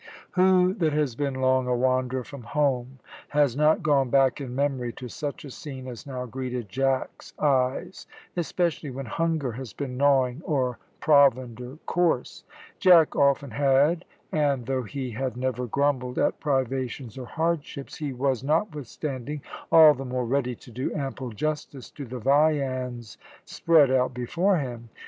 Who that has been long a wanderer from home has not gone back in memory to such a scene as now greeted Jack's eyes, especially when hunger has been gnawing or provender coarse? Jack often had, and though he had never grumbled at privations or hardships, he was, notwithstanding, all the more ready to do ample justice to the viands spread out before him.